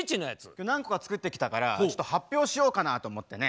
今日何個か作ってきたからちょっと発表しようかなと思ってね。